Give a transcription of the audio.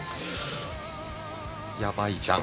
やばいじゃん。